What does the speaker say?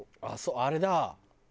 あっそうあれだ。